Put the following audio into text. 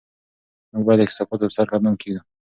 موږ باید د کثافاتو په سر قدم کېږدو.